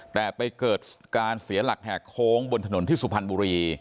แต่ไปเกิดการเสียหลักแหกโค้งบนถนนที่สุพรรณบุรี